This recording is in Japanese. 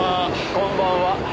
こんばんは。